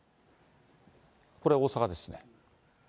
これ、大阪ですね。